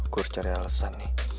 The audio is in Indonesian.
gue harus cari alasan nih